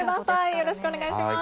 よろしくお願いします。